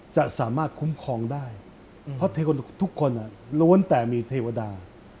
จะสามารถคุ้มครองได้เพราะทุกคนล้วนแต่มีเทวดา